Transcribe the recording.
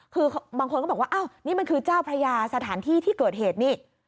คือบางคนก็บอกว่าอ้าวนี่มันคือเจ้าพระยาสถานที่ที่เกิดเหตุนี่